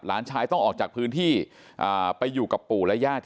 หลานชายต้องออกจากพื้นที่ไปอยู่กับปู่และญาติ